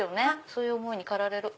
そういう思いに駆られる。